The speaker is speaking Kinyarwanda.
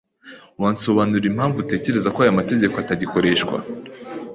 Wansobanurira impamvu utekereza ko aya mategeko atagikoreshwa?